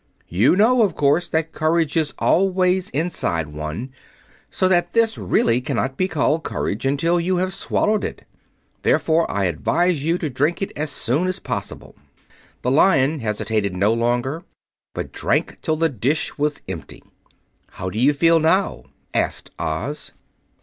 You know, of course, that courage is always inside one; so that this really cannot be called courage until you have swallowed it. Therefore I advise you to drink it as soon as possible." The Lion hesitated no longer, but drank till the dish was empty. "How do you feel now?" asked Oz.